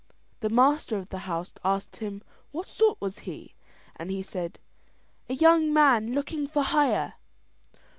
The master of the house asked him what sort was he, and he said: "A young man looking for hire."